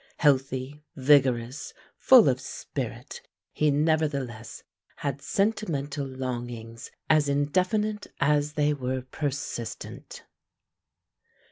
Healthy, vigorous, full of spirit, he nevertheless had sentimental longings as indefinite as they were persistent.